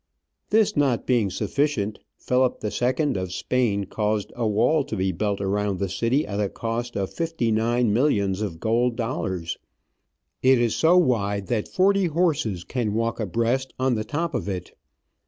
This not being sufficient, Philip II. of Spain caused a wall to be built around the city at a cost of fifty nine millions of gold dollars. It is so wide that forty horses can walk abreast on the top of it.